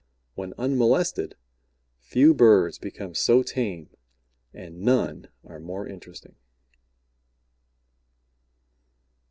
When unmolested, few birds become so tame and none are more interesting.